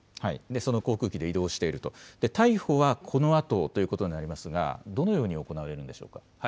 その航空機で移動していると逮捕はこのあとということになりますがどのように行われるんでしょうか。